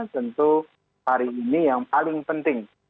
tentu hari ini yang paling penting